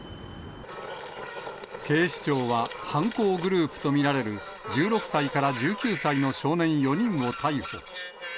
警視庁は、犯行グループと見られる１６歳から１９歳の少年４人を逮捕。